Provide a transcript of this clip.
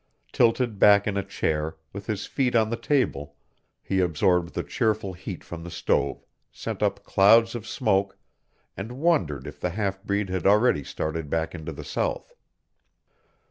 Tilted back in a chair, with his feet on the table, he absorbed the cheerful heat from the stove, sent up clouds of smoke, and wondered if the half breed had already started back into the South.